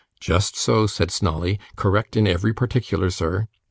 'Just so,' said Snawley. 'Correct in every particular, sir.